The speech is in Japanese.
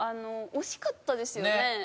惜しかったです。